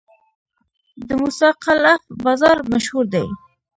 د موسی قلعه بازار مشهور دی